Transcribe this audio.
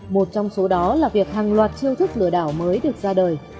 một trong số đó là việc hàng loạt chiêu thức lừa đảo mới được ra đời